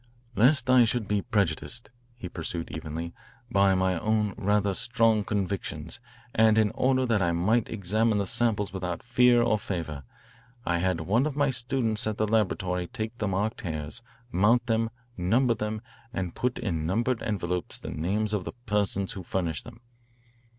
"Lest I should be prejudiced," he pursued evenly, "by my own rather strong convictions, and in order that I might examine the samples without fear or favour, I had one of my students at the laboratory take the marked hairs, mount them, number them, and put in numbered envelopes the names of the persons who furnished them.